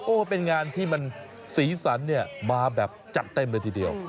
โอ้โหเป็นงานที่มันสีสันเนี่ยมาแบบจัดเต็มเลยทีเดียว